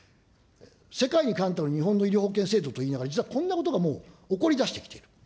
世界に冠たる日本の医療制度と言いながら、実はこんなことがもう起こりだしてきてる。